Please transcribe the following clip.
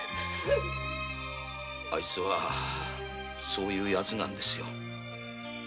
あいつはそういうヤツなんですよ。